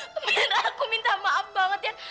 kemudian aku minta maaf banget ya